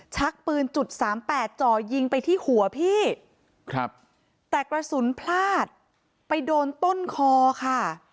ชักปืนจุดสามแปดจ่อยิงไปที่หัวพี่ครับแต่กระสุนพลาดไปโดนต้นคอค่ะ